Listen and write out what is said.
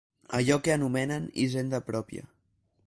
Allò que anomenen hisenda pròpia.